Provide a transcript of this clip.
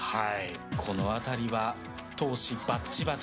この辺りは闘志バッチバチ。